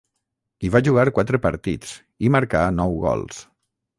Hi va jugar quatre partits, i marcà nou gols.